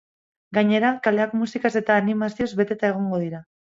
Gainera, kaleak musikaz eta animazioz beteta egongo dira.